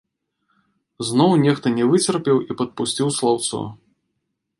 Зноў нехта не выцерпеў і падпусціў слаўцо.